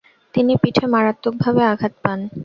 তিনি পিঠে মারাত্মকভাবে আঘাত পান।